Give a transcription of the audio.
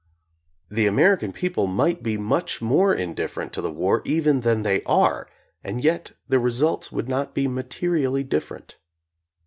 The American people might be much more indifferent to the war even than they are and yet the results would not be materially different.